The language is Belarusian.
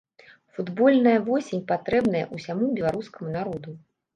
Футбольная восень патрэбна я ўсяму беларускаму народу.